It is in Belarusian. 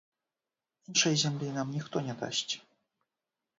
Іншай зямлі нам ніхто не дасць.